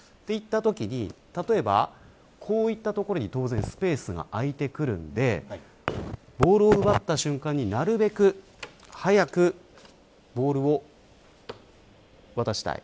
例えば、こういった所にスペースが空いてくるのでボールを奪った瞬間に、なるべく早くボールを渡したい。